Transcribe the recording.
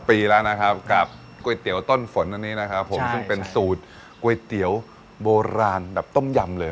ปีแล้วนะครับกับก๋วยเตี๋ยวต้นฝนอันนี้นะครับผมซึ่งเป็นสูตรก๋วยเตี๋ยวโบราณแบบต้มยำเลย